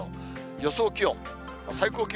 予想気温。